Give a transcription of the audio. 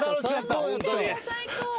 最高。